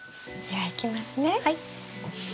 はい。